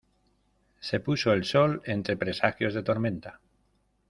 se puso el sol entre presagios de tormenta.